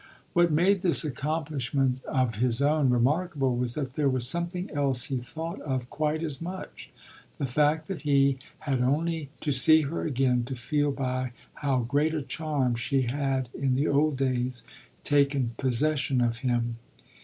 What made this accomplishment of his own remarkable was that there was something else he thought of quite as much the fact that he had only to see her again to feel by how great a charm she had in the old days taken possession of him.